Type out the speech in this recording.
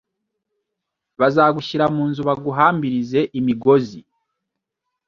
Bazagushyira mu nzu baguhambirize imigozi